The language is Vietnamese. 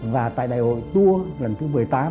và tại đại hội tour lần thứ một mươi tám